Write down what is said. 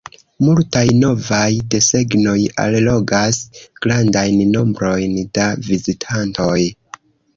Multaj novaj desegnoj allogas grandajn nombrojn da vizitantoj.